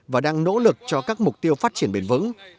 và đang nỗ lực cho các mục tiêu phát triển bền vững